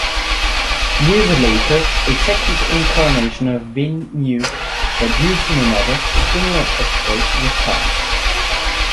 Years later, a second incarnation of WinNuke that uses another, similar exploit was found.